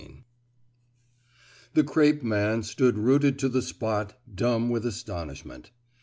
The crape man stood rooted to the spot dumb with astonishment.